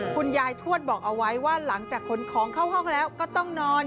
คุณยายทวดบอกเอาไว้ว่าหลังจากขนของเข้าห้องแล้วก็ต้องนอน